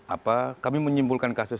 apa kami menyimpulkan kasus